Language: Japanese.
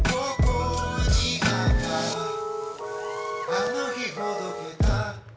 「あの日ほどけた」